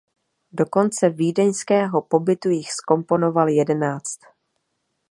Do konce vídeňského pobytu jich zkomponoval jedenáct.